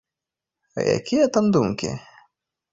А якія там думкі?